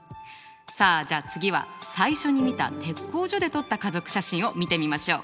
さあじゃあ次は最初に見た鉄工所で撮った家族写真を見てみましょう。